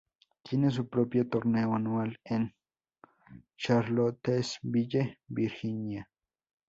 Tiene su propio torneo anual en Charlottesville, Virgina.